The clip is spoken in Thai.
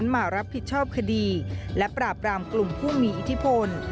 มารับผิดชอบคดีและปราบรามกลุ่มผู้มีอิทธิพล